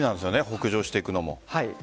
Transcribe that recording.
北上していくのも。